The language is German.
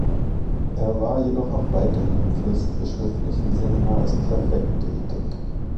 Er war jedoch auch weiterhin im fürstbischöflichen Seminar als Präfekt tätig.